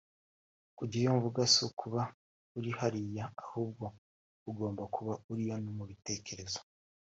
kujyayo mvuga si ukuba uri hariya ahubwo ugomba kuba uriyo no mu bitekerezo